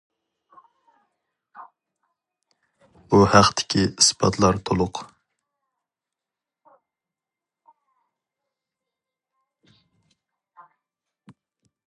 بۇ ھەقتىكى ئىسپاتلار تولۇق.